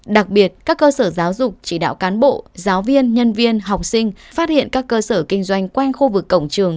đặc biệt các cơ sở giáo dục chỉ đạo cán bộ giáo viên nhân viên học sinh phát hiện các cơ sở kinh doanh quanh khu vực cổng trường